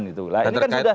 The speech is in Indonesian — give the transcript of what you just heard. empat poin tadi itu ya